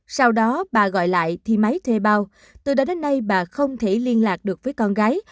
sau đó bà gọi lại thi máy thuê bao từ đó đến nay bà không thể liên lạc được với con gái